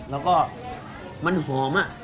แล้วก็มันหอม